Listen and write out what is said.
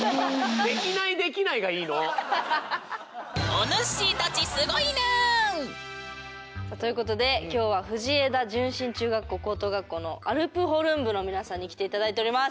おぬっしーたちすごいぬん！ということで今日は藤枝順心中学校・高等学校のアルプホルン部の皆さんに来て頂いております。